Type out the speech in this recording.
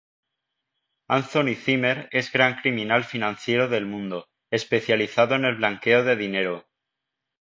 Anthony Zimmer es gran criminal financiero del mundo, especializado en el blanqueo de dinero.